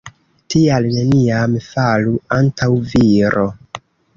Tial neniam falu antaŭ viro.